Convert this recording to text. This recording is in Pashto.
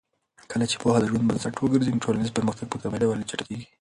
کله چې پوهه د ژوند بنسټ وګرځي، ټولنیز پرمختګ په طبیعي ډول چټکېږي.